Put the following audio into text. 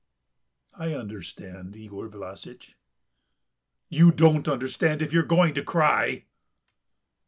"I understand, Yegor Vlassitch." "You don't understand if you are going to cry...."